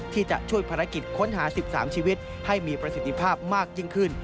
ที่จะช่วยภารกิจค้นหา๑๓ชีวิตให้มีประสิทธิภาพมากยิ่งขึ้น